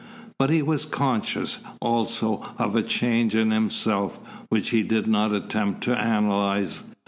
But he was conscious, also, of a change in himself which he did not attempt to analyse.